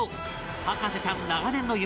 博士ちゃん長年の夢！